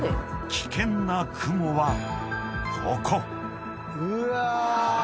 ［危険な雲はここ］